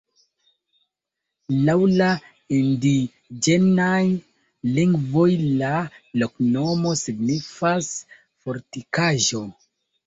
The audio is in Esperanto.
Laŭ la indiĝenaj lingvoj la loknomo signifas: fortikaĵo.